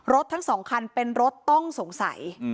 ทั้งสองคันเป็นรถต้องสงสัย